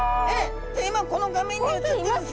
今この画面に映ってるんですか？